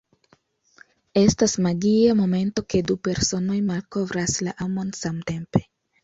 Estas magia momento ke du personoj malkovras la amon samtempe.